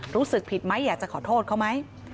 รู้สึกผิดไหมอยากจะขอโทษเขาไหม